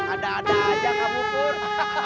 ada ada aja kamu pur